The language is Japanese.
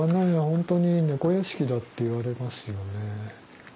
本当に猫屋敷だって言われますよね。